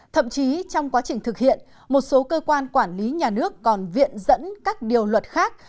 thậm chí trong quá trình thực hiện một số cơ quan quản lý nhà nước còn viện dẫn các điều luật khác